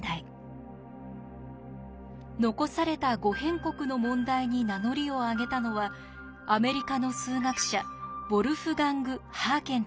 残された「五辺国」の問題に名乗りを上げたのはアメリカの数学者ウォルフガング・ハーケンたちでした。